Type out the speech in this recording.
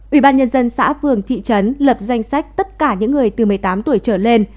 ubnd xã phường thị trấn lập danh sách tất cả những người từ một mươi tám tuổi trở lên